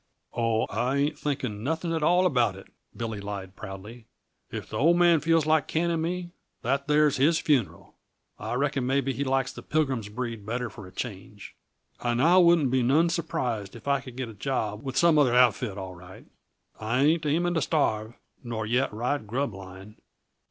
"Oh, I ain't thinking nothing at all about it," Billy lied proudly. "If the Old Man feels like canning me, that there's his funeral. I reckon maybe he likes the Pilgrim's breed better for a change. And I wouldn't be none surprised if I could get a job with some other outfit, all right. I ain't aiming to starve nor yet ride grub line."